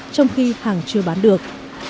trong khi hàng chưa bán được